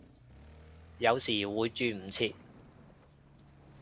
有時會轉唔切